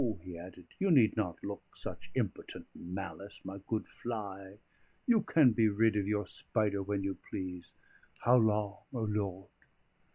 he added, "you need not look such impotent malice, my good fly. You can be rid of your spider when you please. How long, O Lord?